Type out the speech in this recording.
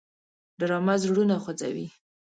ډرامه زړونه خوځوي